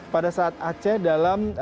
pada saat aceh dalam